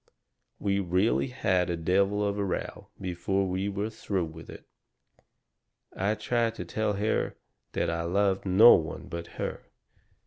We really had a devil of a row before we were through with it. I tried to tell her that I loved no one but her.